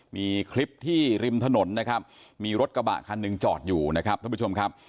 มีคลิปที่ริมถนนนะครับมีรถกระบะคันหนึ่งจอดอยู่นะครับท่านผู้ชมครับ